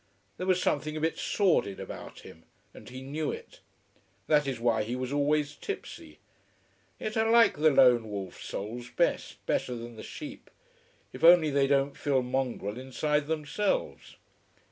There was something a bit sordid about him and he knew it. That is why he was always tipsy. Yet I like the lone wolf souls best better than the sheep. If only they didn't feel mongrel inside themselves.